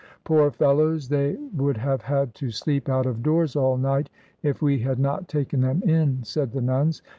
"Poor fellows! they would have had to sleep out of doors all night if 1 86 MRS. DYMOND. we had not taken them in," said the nuns.